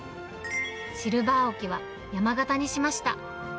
シルバー置きは山型にしました。